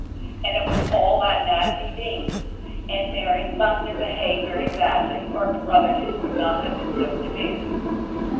And it was all that nasty Dean! And Mary must have behaved very badly or Brotherton would not have been so severe!